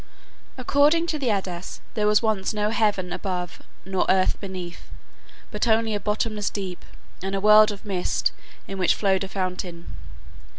According to the Eddas there was once no heaven above nor earth beneath, but only a bottomless deep, and a world of mist in which flowed a fountain.